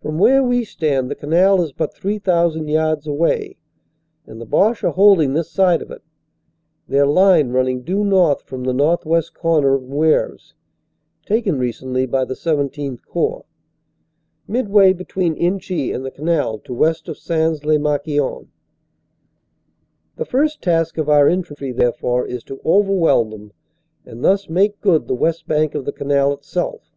From where we stand the canal is but 3,000 yards away, and the Boche are holding this side of it, their line running due north from the northwest corner of 214 CANADA S HUNDRED DAYS Mceuvres (taken recently by the XVII Corps), midway between Inchy and the canal to west of Sains lez Marquion. The first task of our infantry, therefore, is to overwhelm them and thus make good the west bank of the canal itself.